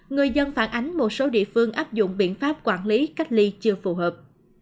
người dân phản ánh một số địa phương áp dụng biện pháp quản lý cách ly chưa phù hợp